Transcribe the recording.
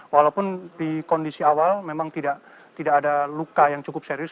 walaupun di kondisi awal memang tidak ada luka yang cukup serius